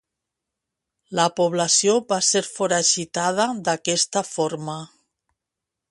La població va ser foragitada d'aquesta forma.